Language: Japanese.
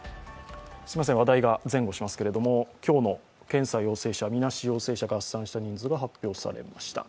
話題が前後しますけれども今日の検査陽性者みなし陽性者、合算した人数が発表されました。